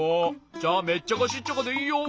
じゃあメッチャカシッチャカでいいよ。